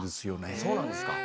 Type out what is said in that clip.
あっそうなんですか。